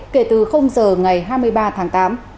kể từ giờ ngày hai mươi ba tháng tám